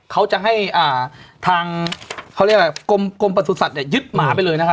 เขาจะให้ทางเขาเรียกว่ากลมประสุทธิ์สัตว์เนี่ยยึดหมาไปเลยนะคะ